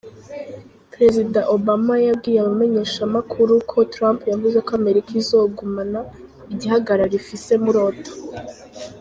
Prezida Obama yabwiye abamenyeshamakuru ko Trump yavuze ko Amerika izogumana igihagararo ifise muri Otan.